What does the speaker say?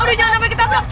aduh jangan sampai ketabrak